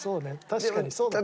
確かにそうだね。